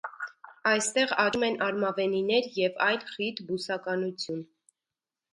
Այստեղ աճում են արմավենիներ և այլ խիտ բուսականություն։